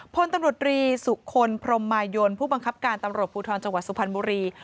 พลตำรวจรีสุคลพรมมายนผู้บังคับการตำรวจภูทรจังหวัดสุพรรณบุรี